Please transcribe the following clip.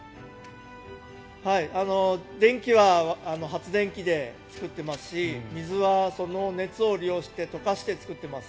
電気は発電機で作ってますし水はその熱を利用して溶かして作っています。